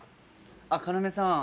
あっ要さん